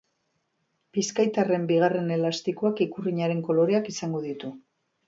Bizkaitarren bigarren elastikoak ikurrinaren koloreak izango ditu.